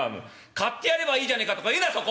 『買ってやればいいじゃねえか』とか言うなそこ！